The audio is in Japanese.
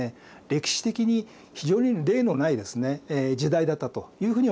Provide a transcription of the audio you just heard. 歴史的に非常に例のないですね時代だったというふうに思います。